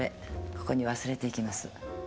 ここに忘れていきます。